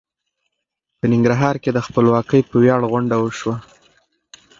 په ننګرهار کې د خپلواکۍ په وياړ غونډه وشوه.